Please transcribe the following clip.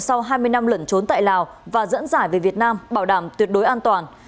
sau hai mươi năm lẩn trốn tại lào và dẫn giải về việt nam bảo đảm tuyệt đối an toàn